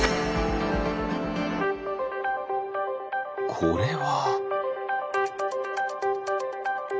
これは？